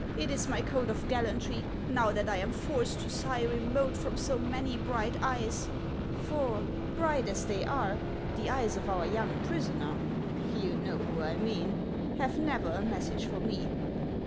It is my code of gallantry, now that I am forced to sigh remote from so many bright eyes ; for, bright as they are, the eyes of our young pris oner — you know who I mean — have never a message for me.